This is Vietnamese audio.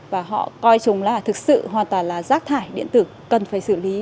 và họ coi chúng là thực sự hoàn toàn là rác thải điện tử cần phải xử lý